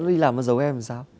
nhỡ nó đi làm mà giấu em làm sao